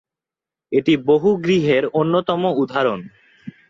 এটি বহু গৃহের অন্যতম উদাহরণ।